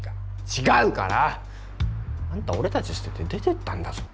違うから！あんた俺たち捨てて出てったんだぞ。